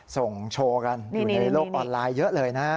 ส่งโชว์กันอยู่ในโลกออนไลน์เยอะเลยนะ